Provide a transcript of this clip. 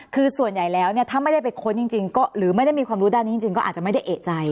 คือส่วนใหญ่แล้วเนี่ยถ้าไม่ได้ไปค้นจริงก็หรือไม่ได้มีความรู้ด้านนี้จริงก็อาจจะไม่ได้เอกใจ